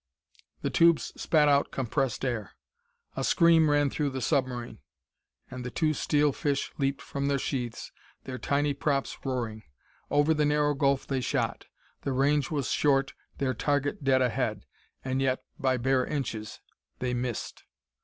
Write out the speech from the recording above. The tubes spat out compressed air; a scream ran through the submarine; and the two steel fish leaped from their sheaths, their tiny props roaring. Over the narrow gulf they shot; the range was short, their target dead ahead and yet by bare inches they missed!